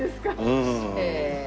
うん。